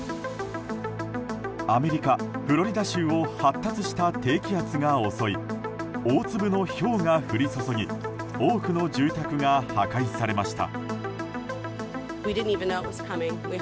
アメリカ・フロリダ州を発達した低気圧が襲い大粒のひょうが降り注ぎ多くの住宅が破壊されました。